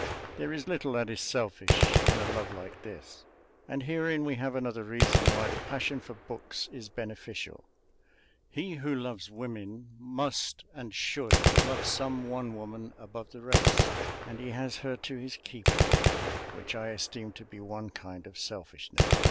There is little that is selfish in a love like this, and herein we have another reason why the passion for books is beneficial. He who loves women must and should love some one woman above the rest, and he has her to his keeping, which I esteem to be one kind of selfishness.